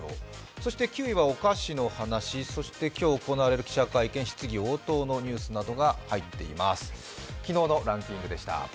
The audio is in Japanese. そして９位はお菓子の話、そして今日行われる記者会見の話、質疑応答の話などが入っていました。